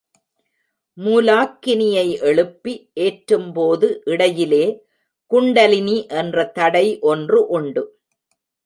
மூலாக்கினியை எழுப்பி ஏற்றும்போது இடையிலே குண்டலினி என்ற தடை ஒன்று உண்டு.